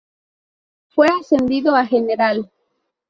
Fue ascendido a general.